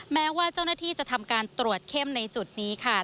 แม้ว่าเจ้าหน้าที่จะทำการตรวจเข้มในจุดนี้ค่ะ